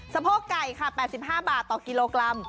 โพกไก่ค่ะ๘๕บาทต่อกิโลกรัม